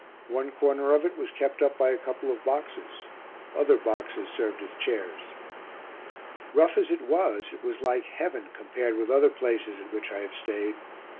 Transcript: One corner of it was kept up by a couple of boxes; other boxes served as chairs. Rough as it was, it was like heaven compared with other places at which I have stayed.